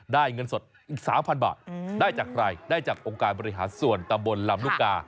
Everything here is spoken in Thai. เงินสดอีก๓๐๐บาทได้จากใครได้จากองค์การบริหารส่วนตำบลลำลูกกา